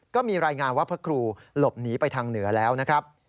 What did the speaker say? ก็มีรายงานว่าพระครูหลบหนีไปทางเหนือแล้วนะครับ